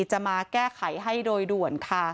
จะมาแก้ไขให้โดยด่วนค่ะ